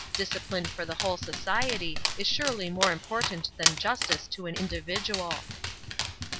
Discipline for the whole society is surely more important than justice to an individual."